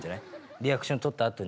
リアクション取ったあとに。